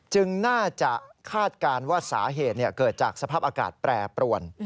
จึงน่าจะคาดการณ์ว่าสาเหตุเกิดจากสภาพอากาศแปรปรวน